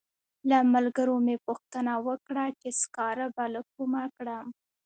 له ملګرو مې پوښتنه وکړه چې سکاره به له کومه کړم.